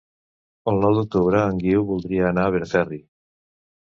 El nou d'octubre en Guiu voldria anar a Benferri.